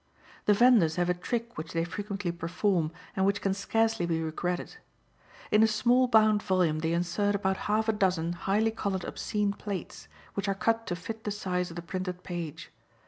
The venders have a trick which they frequently perform, and which can scarcely be regretted. In a small bound volume they insert about half a dozen highly colored obscene plates, which are cut to fit the size of the printed page.